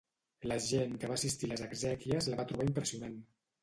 La gent que va assistir a les exèquies la va trobar impressionant.